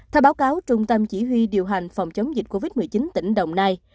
theo báo cáo trung tâm chỉ huy điều hành phòng chống dịch covid một mươi chín tỉnh đồng nai